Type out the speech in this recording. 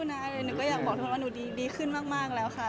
หนูก็อยากบอกเธอว่าหนูดีขึ้นมากแล้วค่ะ